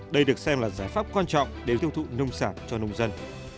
đây được xem là giải pháp quan trọng để tiêu thụ nông sản cho nông dân